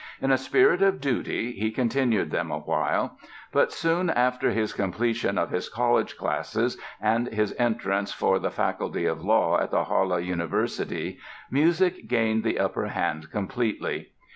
In a spirit of duty he continued them a while; but soon after his completion of his college classes and his entrance for the Faculty of Law at the Halle University music gained the upper hand completely.